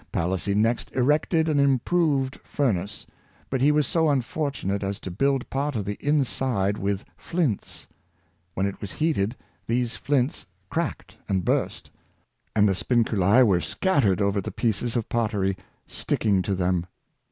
Palissy next erected an improved furnace, but he was so unfortunate as to build part of the inside with flints. When it was heated these flints cracked and burst, and the spinculse were scattered over the pieces of pottery, sticking to them.